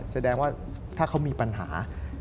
แสดงว่าถ้าเขามีปัญหา